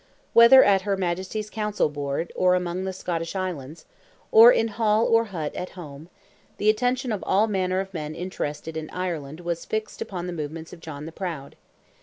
Whether at her Majesty's council board, or among the Scottish islands, or in hall or hut at home, the attention of all manner of men interested in Ireland was fixed upon the movements of John the Proud.